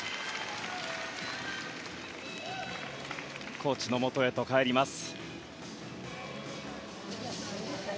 コーチのもとへと帰ります。